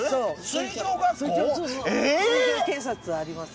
水上警察あります。